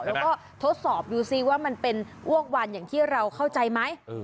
แล้วก็ทดสอบดูซิว่ามันเป็นอ้วกวันอย่างที่เราเข้าใจไหม